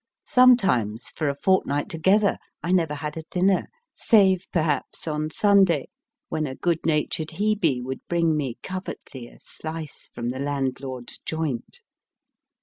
Sometimes, for a fortnight together, I never had a dinner save, perhaps, on Sunday, when a good natured Hebe would bring me covertly a slice from the landlord s joint.